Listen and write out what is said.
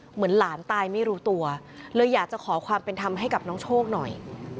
เหมือนหลานตายไม่รู้ตัวเลยอยากจะขอความเป็นธรรมให้กับน้องโชคหน่อย